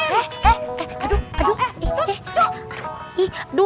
eh eh aduh aduh